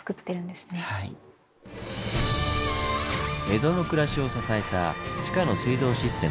江戸の暮らしを支えた地下の水道システム。